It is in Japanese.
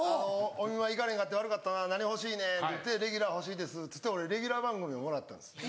「お見舞い行かれへんかって悪かったな何欲しいねん」って「レギュラー欲しいです」って俺レギュラー番組をもらったんですよ。